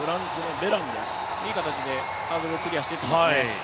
いい形でハードルをクリアしていますね。